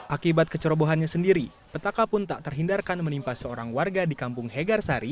akibat kecerobohannya sendiri petaka pun tak terhindarkan menimpa seorang warga di kampung hegar sari